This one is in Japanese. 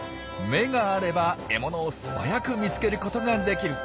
眼があれば獲物を素早く見つけることができる！